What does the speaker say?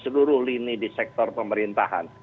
seluruh lini di sektor pemerintahan